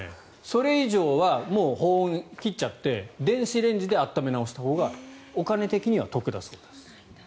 それ以上は保温、切っちゃって電子レンジで温め直したほうがお金的には得だそうです。